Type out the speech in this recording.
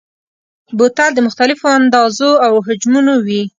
بوتل د مختلفو اندازو او حجمونو وي.